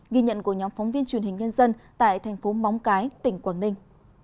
ghi nhận của nhóm phóng viên truyền hình nhân dân tại thành phố móng cái tỉnh quảng ninh